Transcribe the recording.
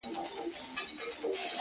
ستا دپښو سپين پايزيبونه زما بدن خوري!